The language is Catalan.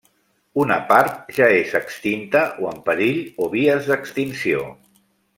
Una part ja és extinta o en perill o vies d'extinció.